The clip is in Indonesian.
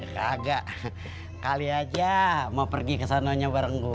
gagak kali aja mau pergi kesanonya bareng gue